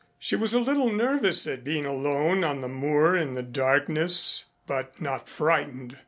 She was a little nervous at being alone on the moor in the darkness, but not frightened.